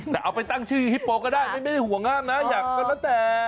แต่เอาไปตั้งชื่อฮิปโปก็ได้ไม่ได้ห่วงงามนะอยากก็แล้วแต่